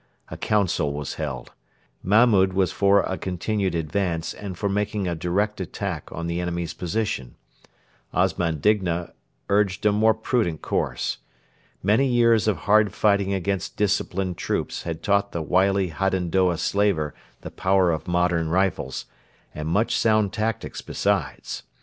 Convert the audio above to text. A council was held. Mahmud was for a continued advance and for making a direct attack on the enemy's position. Osman Digna urged a more prudent course. Many years of hard fighting against disciplined troops had taught the wily Hadendoa slaver the power of modern rifles, and much sound tactics besides.